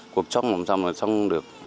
cuộc chống làm sao mà xong được